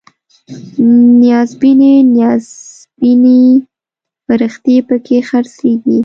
نیازبینې نازنینې فرښتې پکې خرڅیږي